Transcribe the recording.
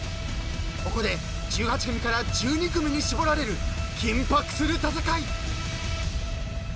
［ここで１８組から１２組に絞られる緊迫する戦い］